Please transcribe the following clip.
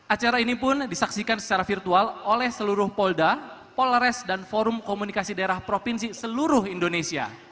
acara ini pun disaksikan secara virtual oleh seluruh polda polores dan forum komunikasi daerah provinsi seluruh indonesia